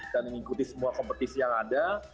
dan mengikuti semua kompetisi yang ada